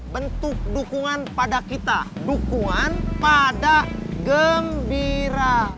bentuk dukungan pada kita dukungan pada gembira